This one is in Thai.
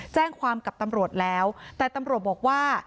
แจ้งความกับตำรวจแล้วแต่ตำรวจบอกว่า